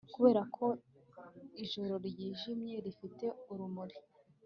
Kuberako ijoro ryijimye rifite urumuri